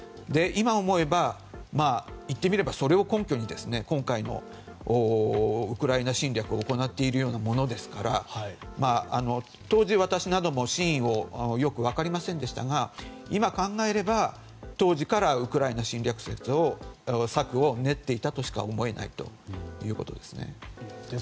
今思えば言ってみれば、それを根拠に今回のウクライナ侵略を行っているようなものですから当時、私なども真意がよく分かりませんでしたが今考えれば当時からウクライナ侵略策を練っていたとしか思えないということですね。